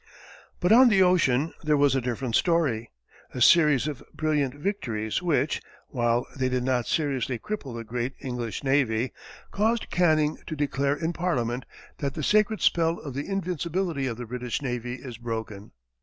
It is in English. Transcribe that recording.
But on the ocean there was a different story a series of brilliant victories which, while they did not seriously cripple the great English navy, caused Canning to declare in Parliament that "the sacred spell of the invincibility of the British navy is broken."